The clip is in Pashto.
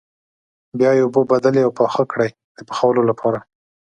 بیا یې اوبه بدلې او پاخه کړئ د پخولو لپاره.